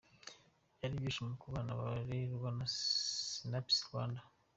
Byari ibyishimo kubana barerwa na Sinapis Rwanda.